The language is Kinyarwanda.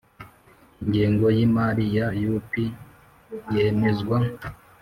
Ingengo y imari ya U P yemezwa